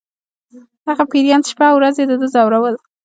هغه پیریان چې شپه او ورځ یې د ده ځورول